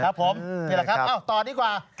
ครับผมนี่แหละครับต่อดีกว่า